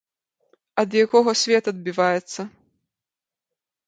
Ад якога свет адбіваецца.